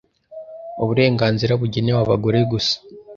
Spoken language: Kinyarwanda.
Uburenganzira bugenewe abagore gusa.